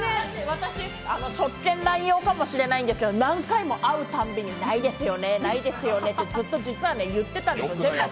私、職権乱用かもしれないんですけど、何回も会うたびにないですよね、ないですよねってずっと実は言ってたんですよ。